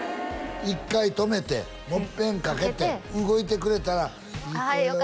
１回止めてもう一遍かけてかけて動いてくれたら「いい子よ」